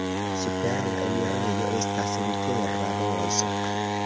Super la enirejo estas Lutera rozo.